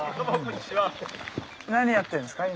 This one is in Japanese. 何やってるんですか？